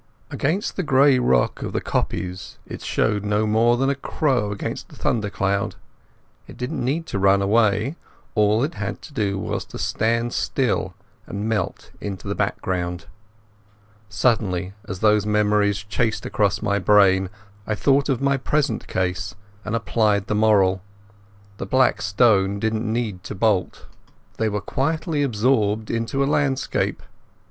Against the grey rock of the kopjes it showed no more than a crow against a thundercloud. It didn't need to run away; all it had to do was to stand still and melt into the background. Suddenly as these memories chased across my brain I thought of my present case and applied the moral. The Black Stone didn't need to bolt. They were quietly absorbed into the landscape.